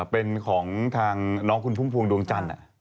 เป็นของทางน้องคุณพุ่มพวงดวงจันทร์